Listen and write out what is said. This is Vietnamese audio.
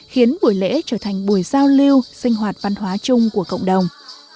khiến buổi lễ trở thành buổi giao lưu sinh hoạt văn hóa chung của cộng đồng